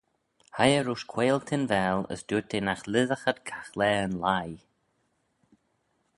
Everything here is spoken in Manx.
Hie eh roish quaiyl Tinvaal as dooyrt eh nagh lhisagh ad caghlaa yn leigh.